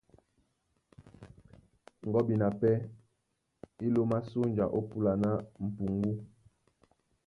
Gɔ́bina pɛ́ á lómá sónja ó púla ná m̀puŋgú.